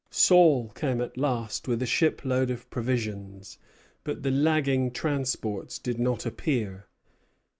Saul came at last with a shipload of provisions; but the lagging transports did not appear.